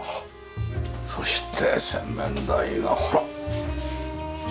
そして洗面台がほら広くてね。